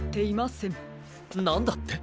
なんだって？